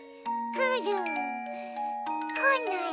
くるこない。